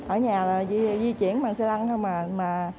ở nhà là di chuyển bằng xe lăng thôi mà